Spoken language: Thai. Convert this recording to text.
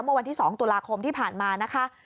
เมื่อวันที่๒ตุลาคมที่ผ่านมานะคะ